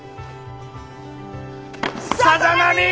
さざ波！